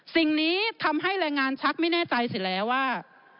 สิ่งนี้ทำให้แรงงานชักไม่แน่ใจเสร็จแล้วว่า